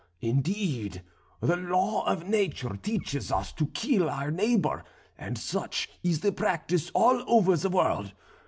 Indeed, the law of nature teaches us to kill our neighbour, and such is the practice all over the world.